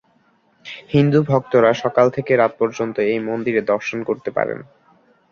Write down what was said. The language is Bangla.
হিন্দু ভক্তরা সকাল থেকে রাত পর্যন্ত এই মন্দিরে দর্শন করতে পারেন।